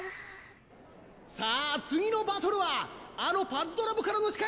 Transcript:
さぁ次のバトルはあのパズドラ部からの刺客！